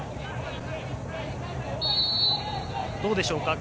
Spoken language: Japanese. どうでしょうか。